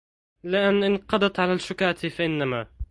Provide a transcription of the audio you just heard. لئن انتقضت على الشكاة فإنما